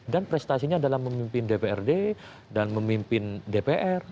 dan prestasinya dalam memimpin dprd dan memimpin dpr